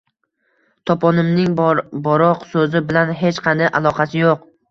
Toponimning boroq so‘zi bilan hech qanday aloqasi yo‘q.